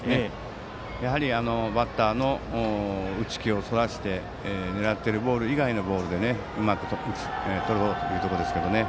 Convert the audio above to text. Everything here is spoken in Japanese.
やはり、バッターの打ち気をそらして狙っているボール以外のボールでうまくとろうというところですが。